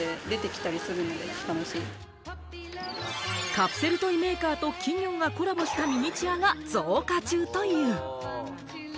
カプセルトイメーカーと企業がコラボしたミニチュアが増加中という。